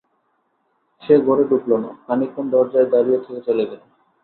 সে ঘরে ঢুকল না, খানিকক্ষণ দরজায় দাঁড়িয়ে থেকে চলে গেল।